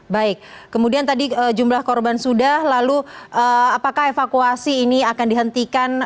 baik kemudian tadi jumlah korban sudah lalu apakah evakuasi ini akan dihentikan